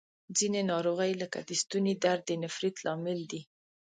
ځینې ناروغۍ لکه د ستوني درد د نفریت لامل دي.